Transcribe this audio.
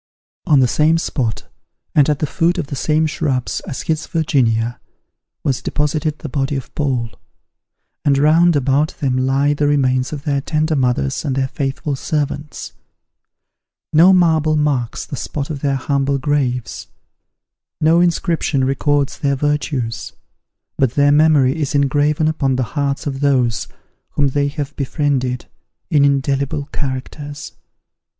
On the same spot, and at the foot of the same shrubs as his Virginia, was deposited the body of Paul; and round about them lie the remains of their tender mothers and their faithful servants. No marble marks the spot of their humble graves, no inscription records their virtues; but their memory is engraven upon the hearts of those whom they have befriended, in indelible characters.